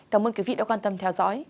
cảm ơn quý vị đã quan tâm theo dõi